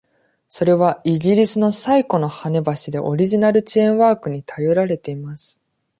それはイギリスの最古の跳ね橋でオリジナルのチェーンワークに頼られています。